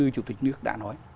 chủ tịch nước đã nói